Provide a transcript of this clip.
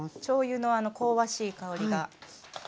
しょうゆのあの香ばしい香りが。